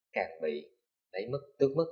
càng bị đáy mất tước mất